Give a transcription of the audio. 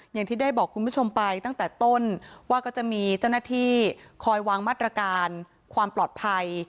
อย่างที่ได้บอกคุณผู้ชมไปตั้งแต่ต้นว่าก็จะมีเจ้าหน้าที่คอยวางมาตรการความปลอดภัย